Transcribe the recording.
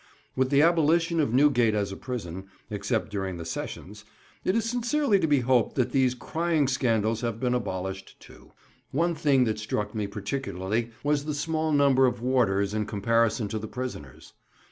With the abolition of Newgate as a prison, except during the sessions, it is sincerely to be hoped that these crying scandals have been abolished too. One thing that struck me particularly was the small number of warders in comparison to the prisoners.